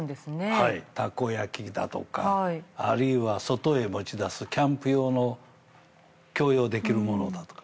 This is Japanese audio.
はいたこ焼きだとかあるいは外へ持ち出すキャンプ用の共用できるものだとか。